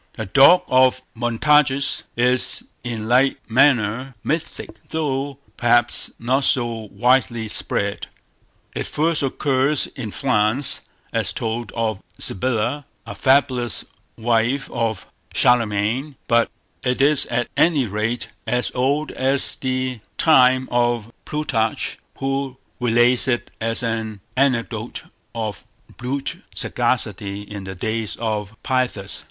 "The Dog of Montargis" is in like manner mythic, though perhaps not so widely spread. It first occurs in France, as told of Sybilla, a fabulous wife of Charlemagne; but it is at any rate as old as the time of Plutarch, who relates it as an anecdote of brute sagacity in the days of Pyrrhus.